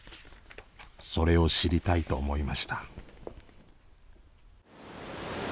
それを知りたいと思いました。